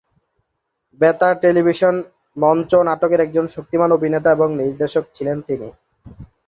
বেতার, টেলিভিশন, মঞ্চ নাটকের একজন শক্তিমান অভিনেতা এবং নির্দেশক ছিলেন তিনি।